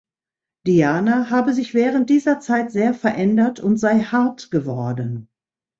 Diana habe sich während dieser Zeit sehr verändert und sei hart geworden.